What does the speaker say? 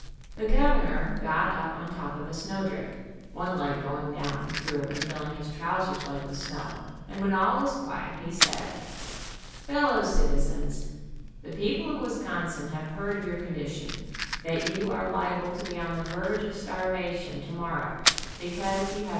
The Governor got up on top of a snowdrift, one leg going down through and filling his trousers leg with snow, and when all was quiet he said: io8 "Fellow citizens, the people of Wisconsin have heard of your condition, that you are liable to be on the verge of starvation tomorrow, because you have The governor got up on top of a snowdrift.